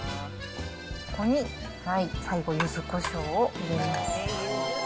ここに、最後、ゆずこしょうを入れます。